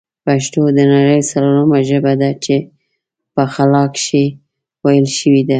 پښتو د نړۍ ځلورمه ژبه ده چې په خلا کښې ویل شوې ده